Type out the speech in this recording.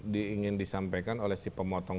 diingin disampaikan oleh si pemotong